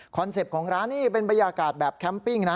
เป็ปต์ของร้านนี่เป็นบรรยากาศแบบแคมปิ้งนะ